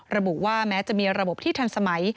ระบุว่าแม้จะมีระบบที่ทันสมัย